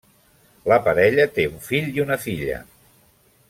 La parella té un fill i una filla.